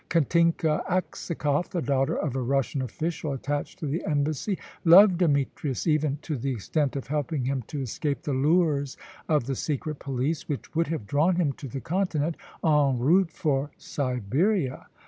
Katinka Aksakoff, the daughter of a Russian official attached to the Embassy, loved Demetrius even to the extent of helping him to escape the lures of the secret police, which would have drawn him to the Continent, en route for Siberia.